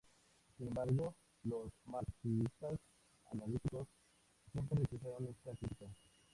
Sin embargo, los marxistas analíticos siempre rechazaron esta crítica.